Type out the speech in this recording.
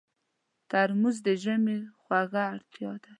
ترموز د ژمي خوږه اړتیا ده.